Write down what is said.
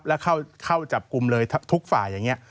แล้วเข้าจับกลุ่มเลยทุกฝ่ายอย่างนี้